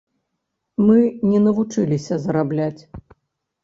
Мы не навучыліся зарабляць.